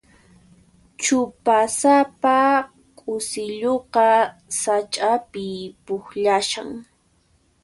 Chupasapa k'usilluqa sach'api pukllashan.